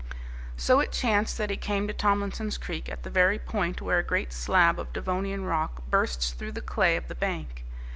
So it chanced that he came to Tomlinson's Creek at the very point where a great slab of Devonian rock bursts through the clay of the bank.